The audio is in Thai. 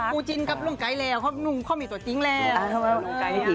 จริงกับลุงไก่แล้วเขามีตัวจริงแล้ว